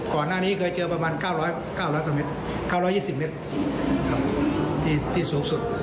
ก่อนหน้านี้เคยเจอประมาณ๙๐๐กว่าเมตร๙๒๐เมตรที่สูงสุด